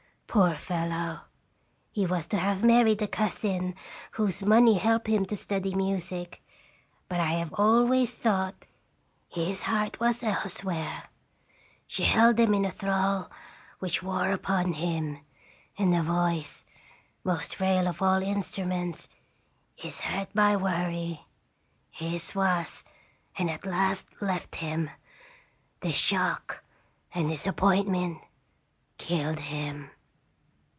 Poor fellow! He was to have married a cousin, whose money helped him to study music ; but I have always thought his heart was elsewhere. She held him in a thrall, which wore upon him; and the voice, most frail of all instruments, is hurt by worry. His was, and at last left him. This shock,, and disappointment, killed him."